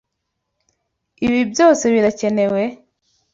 Ibi byose birakenewe?